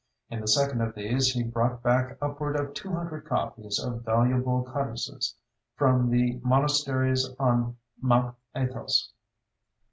In the second of these he brought back upward of two hundred copies of valuable codices from the monasteries on Mount Athos.